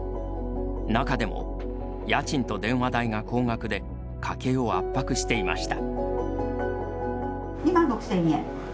中でも、家賃と電話代が高額で家計を圧迫していました。